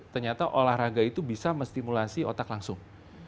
ternyata olahraga itu bisa menstimulasi otak langsung